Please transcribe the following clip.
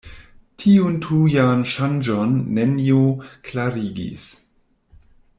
Tiun tujan ŝanĝon nenio klarigis.